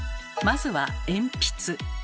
まずは鉛筆。